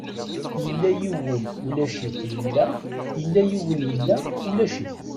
Yella yiwen ulac-it yella, yella yiwen yella ulac-it.